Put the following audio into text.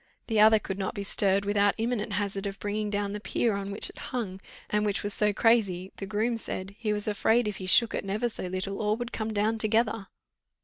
The other could not be stirred without imminent hazard of bringing down the pier on which it hung, and which was so crazy, the groom said, "he was afraid, if he shook it never so little, all would come down together."